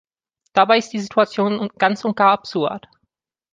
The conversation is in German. Dabei ist die Situation ganz und gar absurd.